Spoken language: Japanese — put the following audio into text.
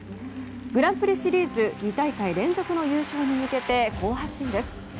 グランプリシリーズ２大会連続の優勝に向けて好発進です。